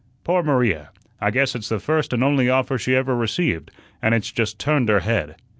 Poor Maria! I guess it's the first and only offer she ever received, and it's just turned her head."